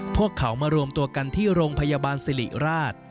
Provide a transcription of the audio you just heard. พวกเขามารวมตัวกันที่โรงพยาบาลสิริราช